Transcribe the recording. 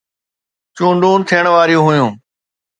چونڊون ٿيڻ واريون هيون